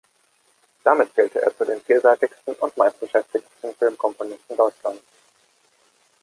Damit zählte er zu den vielseitigsten und meistbeschäftigten Filmkomponisten Deutschlands.